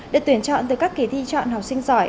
để tuyển chọn từ các kỳ thi chọn học sinh giỏi